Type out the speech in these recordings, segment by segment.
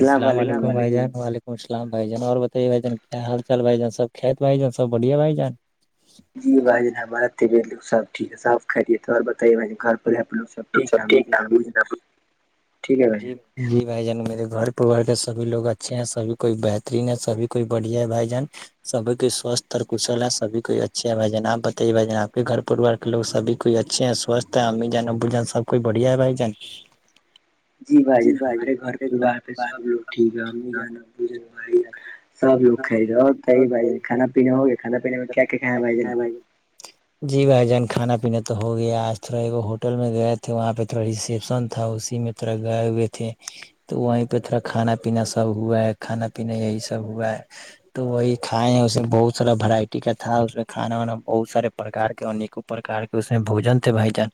السلام علیکم جانلم پوھلام بائی جان اور بتائیے بائی جان کیا حال چال بھائی جان سب کت بھائی جان س بڑیے بھائی جان جی بھائی جن ہمارا طبیعتو سب ٹھیک ہے صاف خہیے اور بتے بھائین گھر ہے سب ٹھیک بھی ہےب جی جی بھائی جان میرے گھر پروار کے سبھی لوگ اچھے ہیں سبھی کوئی بہترین ہے سھی کوئی بڑھیا ہے بھائی جان سبھی کو سوستھ اور کشل ہے سھی کوئی اچھے ہے بھائیان آ بتائیے بھ جان آپ کے گھر پوار لوگ سبھی کوئی اچھے ہیں سوستھ امی جان اب جان س کئی بڑھیا ہے بھائی جان جی بھائی جان ہمارے گھر پوار پہ سب لوگ ٹھیک ہے امی جانا ب بھائی جانا سب لوگھے رہے ک بھائی ج کانا پیا ہو گیا کھا پینے میں کیا کیا کا بھائی ج نے جی بھائی جان کھانا پینا تو ہو گیا آج تھوڑا ایک ہوٹل میں گئے تھے وہاں پہ تھوڑا ریسیپشن تھا اسی میں طرح گائے ہوئے تھے تو وہیں پہ تھوڑا کھانا پینا سب ہوا ہے کھانا پینا یہی سب ہوا ہے تو وہی کھائے اس میں بہت سارا ورائٹی کا تھا اس میں کھانا وانا بہت سارے پرک کے انکوں پرک کے اس میں بوجن سے ب جان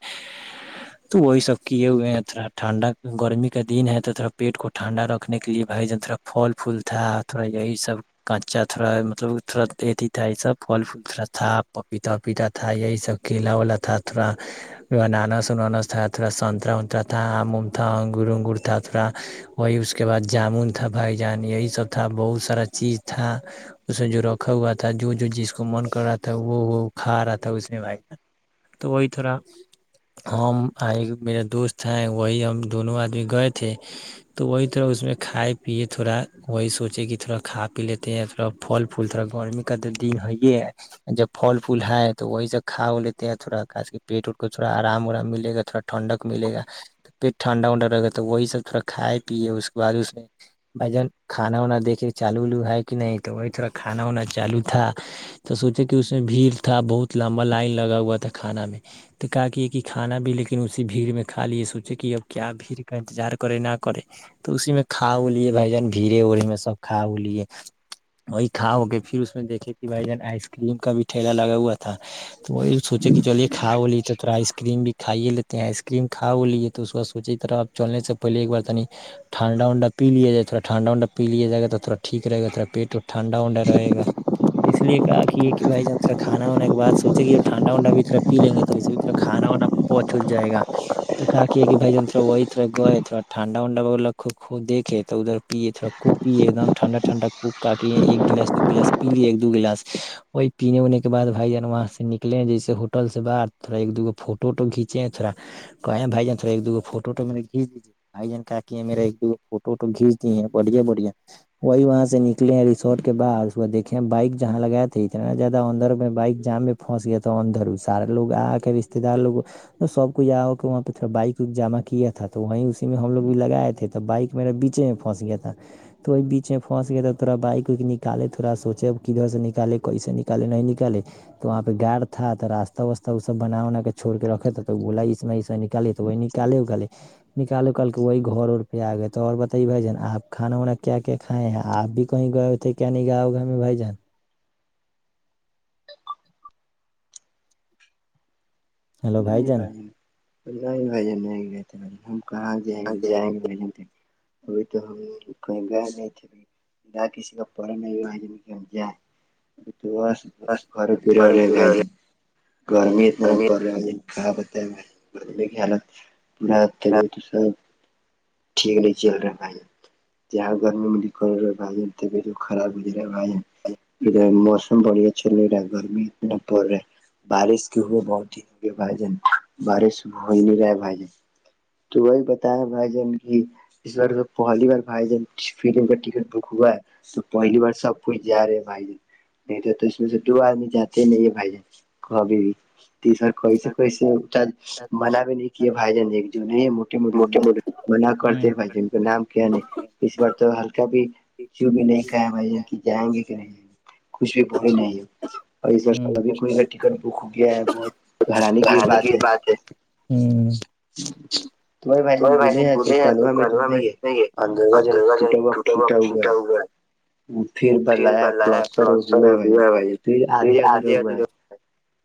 تو وہی سب کیے ہوئے ہیں تھوڑا ٹھنڈا گرمی کا دن ہے تو تھوا پیٹ کو ٹھنڈ رکھنے کے لیےا ج تھوڑا پھل پھول تھا تھوڑا یہی سب کچا تھوڑا مطلب تھوڑا ا تھا سب فھل فل تھڑا تھاا پپیتا پیتا تھا یہی سب کیلا ولا تھا تھوڑا ناناس ونانس تھا تھوڑا سنترا ونترا تھا آموم تھا انگور انگور تھا تھوڑا وہی اس کے بعد جامن تھا بھائی جان یہی سب تھا بہت سارا چیز تھا اس میں جو رکھا ہوا تھا جو جو جس کو من کر رہا تھا وہ وہ کھا رہا تھا اس میں بھائی تو وہی تھوڑا ہم میرے دوست ہیں وہی ہم دونوں آدمی گئے تھے تو وہی تھرڑا اس میں کھائے پیئے تھوڑا وہی سوچے کہ تھوڑا کھا پی لیتے ہیں تھوڑا فل فھول تھوڑا گرمی کا تو دن ہو جب فل پھل ہے تو وہی سے کھا ہو لیتے ہیں تھوڑاا پیٹ وٹ کو تھوڑا آرام ارام ملے گا تھوڑا ٹھڈک ملے گا پیٹ ٹھنڈا ونڈا ل رہے تو وہی سب تھوڑا کھائے پیئے اس کے بعد اس میں بھ جان کھانا وانا دیکھے کے چالوو ہے کہ نہیں تو وہی تھوڑا کانا وانا چالو تھا تو سوچے کہ اس میں بھیڑ تھا بہت لمبا لائن لگا ہوا تھا کھانا میں تو کہا کہ یہ کہ کھانا بھی لیکن اسی بھیڑ میں کا لے سوچے کہ اب کیا بھیڑ کا انتظار کرے نہ کرے تو اسی میں کھا وہ لیے بھائی جان بھیڑے اڑے میں سب کھا ہو لیے وہی کھاؤ گے پھر اس میں دیکھے تھی بھائی جان آئس کریم کا بھیٹھ لگا ہوا تھا تو وہی سوچے کہ چل ایک کھا لیے تو تھوڑا آئس کریم بھی کھائیے لیتے ہیں آئس کریم کاوے ہے تو اس کا سوچے تھرا چلنے سے پہلے ایک بار تع ٹھڈا ونڈا پ لیا جائے تھوا ھڈا ونڈای لیا ج گا تھوڑاٹھیک رہےا تھوا پیٹ ٹھنڈا ونڈا رہےا اس لیے کہا کہ یہ کہ بھائی جانک کھا وے کے بع سوچے گ ٹھنڈا ونڈا بھی تھر پی لیں گے تو اسے بھی تھا کانا وانا پہچل جائےا توا کی کہ بائی جن تھ وہی تھ گئے تھوڑا ھڈا ونڈا وغیرہ دھے تو ادھر پیے تھوڑا کوپی ایک دم ٹھنڈا ٹھنڈا کوک کا کے ایک گلاس دو گلاس پیلی ایک دو گلاس اور پین ان اس کے بع بھائی جان وہاں سے نکلے جیسے ہوٹل سے باہر تھوڑا ایک دوگا فوٹو ووٹو کھینچے تھوڑا تویں بھائی جان تھوڑ ایک دو گو فوٹوٹو مے کھیچ دیجیے بائی جان کاقی ہے میرا ایک دو فوٹو ووٹو کھینچ دی ہیں بڑھیا بڑھیا وہی وہاں سے نکلے ہیں ریسورٹ کے باہر دیکے بائک جہاں لگیا تھ تھا اتنا زیادہ اندر بائک جام میں پنس گیا تھا اندروں سارا لوگ آ کے رشتے دار لوگ تو سب کو یہیا ہو کہ وہاں پہ تھا بائکک جمع کیا تھا تو وہیں اسی میں ہم لوگ بھی لگائےئے تھے تو بائک میرے بیچے میں پھنس گیا تھا تو وہ بیچ میں پنس گئے تھڑا بائک وائکالے تھوڑ سوے کدھر سے نکالے کیسے نکالے نہیں نک لے تو وہاں پہ گارڈ تھا تو راستہ واسہ وہ سب بنا بنا کے چھڑ کے رکھے تھا تو بو اس میں میں نک نکالے تو وہی نکالے گلیے نکالو کال کے وہی گھر ار پہ آ گئے تو اور بتائیے بھائی جان آپ کھانا وانا کیا کھائے ہیں آپ بھی کہیں گئے ہوئے تھے کیا نہیں گیا ہوگا ہمیں بھائی جان [inaudible] نہیں بھائی نہیں بھائی نہیں گئے تھے بھائی ہم کہاں ج ج نہیں ج ہیں ا بھی تو ہم ک گا نہیں نہ کسی کا پا نہیں آج کیا ج ہے دس گھر پرے گے گرمیت کہ بت میں ب حالات پتے بھی تو س ٹھیک نہیں چل رہا بھائی جاں گرمی میں د رہا ہے بھائی خراب گزر ہے موم ا بڑھیا چل رہا ہے گرمی اتنا پڑ رہا بارش کی ہوئے بہت بھائی جن بارشح ہو ہی نہیں رہے بھائی جن تو وہی بت ہے بھائی جان کی اس بار پہلی بار بھائی جن فری کا ٹکٹ بک ہوا ہے تو پہلی بار سب کوچ جا رہے بھائی نہیں تو تو اس میں سے دو آدمی جاتتے نہیں ہے بھائی جان ابھی بھی تیسر کوئی سے کو سے چ منا بھی نہیں کی بھائی جان ایک جو نہیں مٹ منا کرتے بھائی ج کا نام کیا نہیں اس بار تو کبھی کیوں بھی نہیں کہا بھائی کہ جائیں گے کہ نہیں جائیں گے کچھ بھی بول نہیں ہے اور سبھی کوئی کا ٹکٹ بک ہو گیا ہے بہت کہے کی بات ہے ہ تو بھائی ہم بولے ج تو کلوا میں نہیں ہےدرگہ ج ٹوٹا ہوا پھٹا ہو گا پھر بلا پلس ہوا ہے بھائی پھر آدھے ادھے ہوا ہے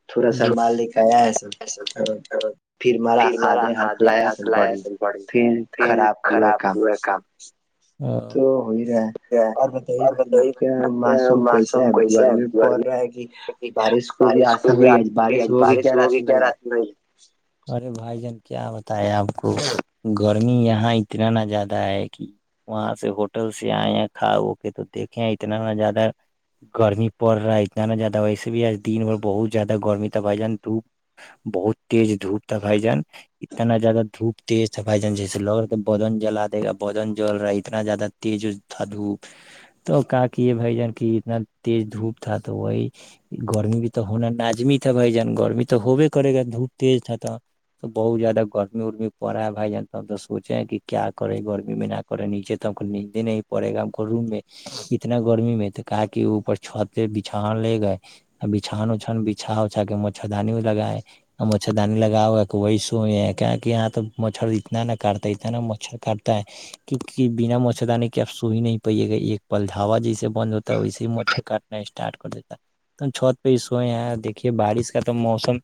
تھوڑا سا مال لک آیا ہے سب ہ پھر مارا آدے ہ لیا پڑی پھر خراب ہوا کام ہ تو ہو ہی رہا ہے اور بتائیے بھائی آپ کے موسم کیسے ہے گرمی پڑ رہا ہے کہ بارش کو بھی آسا ہو رہی ہے آج بارش ہوگی کیا رات میں ہے ارے بھائی جان کیا بتائے آپ کو گرمی یہاں اتنا نہ زیادہ ہے کہ وہاں سے ہوٹل سے آئے ہیں کھا ہو کے تو دیکھیں اتنا زیادہ گرمی پڑ رہا ہے اتنا نا زیادہ ویسے بھی آج دن بھر بہت زیادہ گرمی تھا بھائی جان دھوپ بہت تیز دھپ تھا بھائی جان اتنا زیادہ دھوپتی صفائی جن جیسے لگ رہ بدن جلا دے گا بن جل رہا ہے اتنا زیادہ تیز تھا دھوپ تو کا کہ یہ بھائی جان کی اتنا تیز دھوپ تھا تو وہی گرمی بھی تو ہونا نازمی تھا بھائی جان گرمی تو ہوبے کرے گا دھوپ تیز تھا تو تو بہت زیادہ گرمی ارمی پڑا بھائی جان تب تو سوچے ہیں کہ کیا کرے گرمی مہین نیچے تو ہم کو ند ہی پڑے گا ہم کو روم میں اتنا گرمی میں تھ کہ کہ اوپر چھت پہ بچھن لے گئے بچھان وچھان بچھا اچھا کے مچھردانی بھی لگائے مچھردانی لگا ہوا ہے تو وہی سوئی ہے کیا کہ یہاں تو مچھر اتنا ن کاٹتا اتنا نا مچھر کاٹتا ہے کی بین موچدان کہ آب سوئی نہیں پیے گا ایک پلجھوا جیسے بند ہوتا ہے ویسے ہی مھے کاٹنا اسٹارٹ کر دیتا م چھت پہ ہی سوئے ہیں دیکھیے بارش کا تو موسم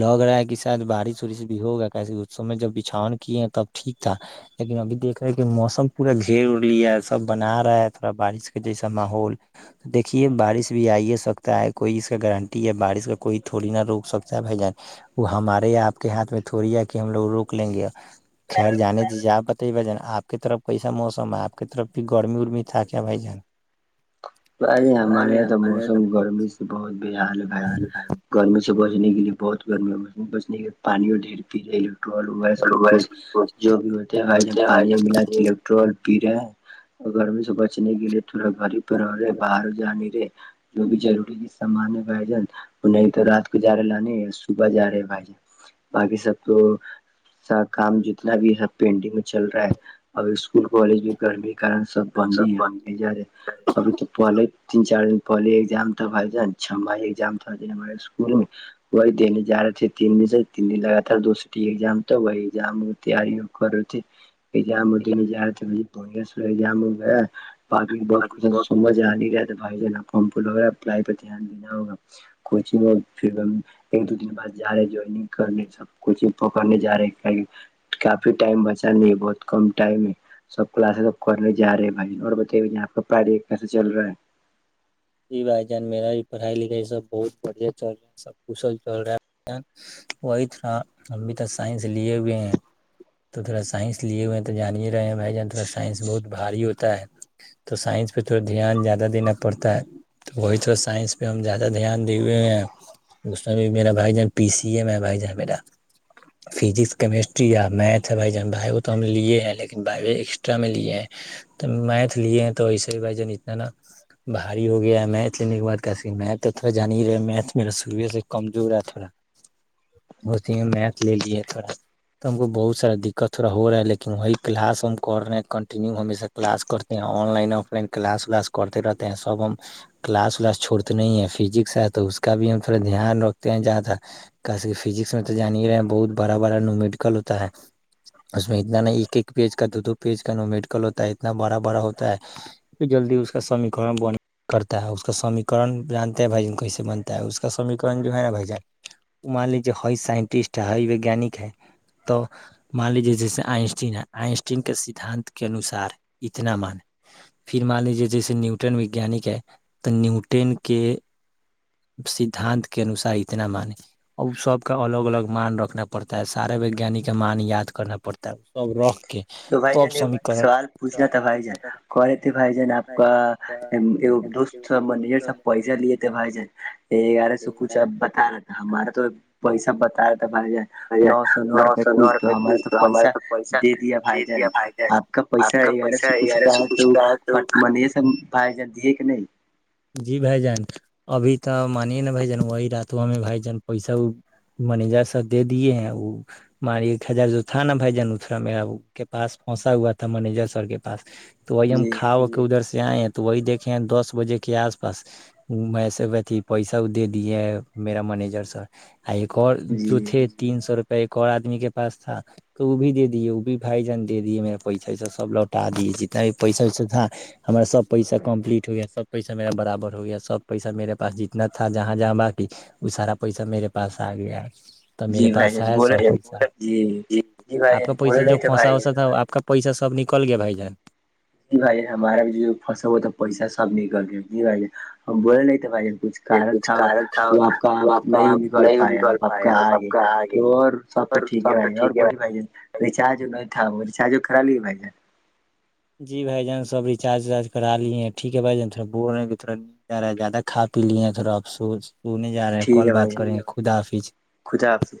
لگ رہا ہے کہ شاید بارش وارش بھی ہوگیا کیے اس سم میں جب بچھاؤن کیے تب ٹھیک تھا لیکن ابھی دیکھا ہے کہ موسم پورا گھیر اڑ لیے سب بنا رہا ہے تھوڑا بارش کے جیسا ماحول دیکھیے بارش بھی آئی سکتا ہے کوئی اس کا گارنٹی ہے بارش کا کوئی تھوڑی نہا روک سکتا ہے بھ جان وہ ہمارے آپ کے ہاتھ میں تھوڑی ہے کہ ہم لوگ روک لیں گے خیر جانے دیجیے آپ بتائیے بھجن آپ کی طرف کیسا موسم ہے آپ کی طرف بھی گرمی ورمی تھا کیا بھائی جان بھائی ہمارے یہاں تو موسم گرمی سے بہت بے حال ہے بھائی گرمی سے بچنے کے لیے بہت گرمی ب بچنے کے لیے پانی ڈھیر پی رہے ل پٹرولس گوکو جو بھی ہوتے ہے و ہم پانی میں ملا کے ٹول پ رہے اور گرمی سے بچنے گیلے تھورا گری پ رہ رے باہر جانی رے جو بھی روری سامان وجن نہیں تو رات کو جا رہے لا نہیں صبح جا رہے بھائی ج باقی سب تو سا کام جتنا بھی ہے پینٹنگ چل رہا ہے اب اسکول کالج بھی گرمی کے کارن سب بند ہی ہے اب نہیں جا رہے ابھی تو پہلے ہی تین چار دن پہلے ایگزام ت جان چم بھام د ہمار اسکول وہی دہنے ج رہے تھے تین دن سے تین دن لگات تھا دوس ایگزام تو وہی ایگزام تیاری کر رہے تھی ایگام جا رہے بڑیا سام ہوا ہے باقی بہت خش سمج رہ بھائی ج نا پمپ وغیرہ پائی پہ دھیان دینا ہوگا کوچنگ پھر ہم ایک دو دن بع جا رہے جوائنگ کر ل سب کچھ ہی پکڑنے جا رہے کافی ٹائم بچا نہیں ہے بہت کم ٹائم ہے سب کلاسز اب کرنے جا رہے ہیں بھائی اور بتائیے ب یہ آپ کا پاریہ کیسا چل رہا ہے جی بھائی جان میرا بھی پڑھائی لکھائی سب بہت بڑھیا چل رہا ہے سب کشل چل رہا وہی تھر ہم بھی تو سائنس لی بھی ہیں تو تھوڑا سائنس لیے ہوئے ہیں تو جان ہی رہے ہیں ب جانا سائنس بہت بھاری ہوتا ہے تو سائنس پہ تھوڑا دھیان زیادہ دینا پڑتا ہے تو وہی تو سائنس پہ ہم زیادہ دھیان دیئے ہیں اس میں بھی میرا بھائی جان پی سی ہے میر بھائی جان میرا فزکس کیمسٹری یا میتھ ہے بھائی جان بھائی وہ تو ہم نے لیے ہیں لیکن بھائیو ایکسٹرا میں لیے ہیں تو میتھ لیے ہیں تو ایسے ہی بھائی جان اتنا نا بھاری ہو گیا ہے میھ لینے کے بع سک میھ تو تھوڑا ج ہی رہے میتھیرا سوے سے کمزور ہے تھوڑا ہو س میں میھ لے لی ہے تھوڑا سا تو ہم کو بہت سا دقت تھوڑا رہا ہے لیکن وہی کلاس ہم کر رہے ہیں کنٹینیو ہمیشہ کلاس کرتے ہیں online offline class ولاس کرتی رہتے ہیں اب ہم کلاس ولاس چھوڑتے نہیں ہیں فزکس ہے تو اس کا بھی ہم تھوڑا دھیان رکھتے ہیں جہ تھا کیسے کہ فزکس میں تو جان ہی رہے ہیں بہت بڑا بڑا نومیڈیکل ہوتا ہے اس میں اتنا نہیں ایک ایک پیج کا دو دو پیج کا نو میڈکل ہوتا ہے اتنا بڑا بڑا ہوتا ہے جلدی اس کا سمیکرم بنے کرتا ہے اس کا سیکرن جانتے ہیں بھائی جان کیسے بنتا ہے اس کا سمیکرن جو ہے نا بھائی جان مان لیجیے ہئی سائنٹسٹ ہے ہائی ویگیانک ہے تو مان لیجے جیسے آئنسٹین ہے آئنسٹین کے سدھانت کے انوسار اتنا مان پھر مان لیجیے جیسے نیوٹن ویجانک ہے تو نیوٹن کے سدھانت کے انوسار اتنا مانے اور سب کا الگ الگ مان رکھنا پڑتا ہے سارے ویجیانک کا مان یاد کرنا پڑتا ہے تو بھائی جان ایک سوال پوچھنا تھا بھائی جان کہ رہے تھے بھائی جان آپ کا دوست سب مجر سب پیسا لیے تھ بائی جن گیارہ سو کچھ اب بتا رہ ہمارا تو پیسہ بتا رہا تھا بھائی ج نو سو نو روپے کچھ تو ہمارا تو پیسہ د دیا بھائی جٹ آپ کا پیسہ گیارہ سو کچھ کا ہے تو پٹ من یہ سب پائے جلد ہے کہ نہیں جی بائی جان ابھی تو منیے نا بھ جان وہی رات بائی جان پیسا منیجر سب دے دیے ہیں وہ م ایک ہزار جو تھا نا بھائی جان اتھرا میرا کے پاس پھنسا ہوا تھا منیجر سر کے پاس تو وہی ہم کھا ہو کے ادھر سے آئے ہیں تو وہی دیکھیں ہیں دس بجے کے آس پاس میںسےھی پیسہ دے دے میرا منیجر سر ایک اور جو تین سو روپئے ایک اور آدمی کے پاس تھا تو وہ بھی دے دیے وہ بھی بھائی جان دے دیے میرا پیسہ وسا سب لوٹا دیے جتنا بھی پیسہ ویسا تھا ہما سب پیسہ کمپلیٹ ہو گیاا سب پیسا میرا برابر ہویا ہے سب پیسا میرے پاس جتنا تھا جہاں جہاں باقی وہ سارا پیسہ میرے پاس آ گیا تو میرے پاس ہے سب آپ کا پیسہ جو پھنسا وسا تھا آپ کا پیسا سب نکل گیا بھائی جان جی بھائی ج ہمارا بھی جو فسا ہوا تو پیسا سب نکل گیا جی بھ ج ہم بول رہے تھے بھائی کچھ کارن تھا وہ آپ کا نہیں نکال پائے آپ آپ کا آگے تو اور سب تو ٹھیک ہے بھائی اور بولیے بھائی ریچارج نہیں تھا وہ ریچارج خرای گے بھائی جی بھائی جان سب ریچارج وارج کرا لیے ہیں ٹھیک ہے بھائی جان تھڑ بول رہ تھا جا رہا ہے زیادہ کھا پی لیے تھڑا آپ سو سونے جا رہے ہیں کال بات کریں گے خدافظ خد آپ سے